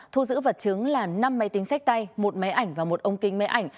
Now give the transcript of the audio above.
thu giữ vật chứng là năm máy tính sách tay một máy ảnh và một ông kinh máy ảnh